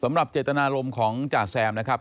สำหรับเจตนารมณ์ของจ่าแซมนะครับ